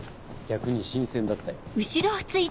逆に新鮮だったよ。